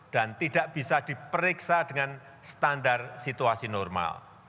dan tidak bisa diperiksa dengan standar situasi normal